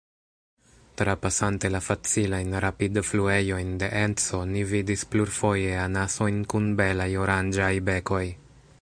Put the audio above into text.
Trapasante la facilajn rapidfluejojn de Enco, ni vidis plurfoje anasojn kun belaj oranĝaj bekoj.